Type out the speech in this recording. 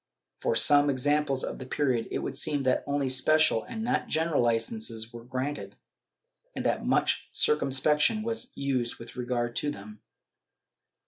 '* From some examples of the period it would seem that only special and not general licences were granted, and that much circumspection was used with regard to them.